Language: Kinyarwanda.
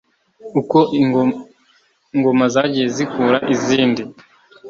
Ukingoma zagiye zikura izindi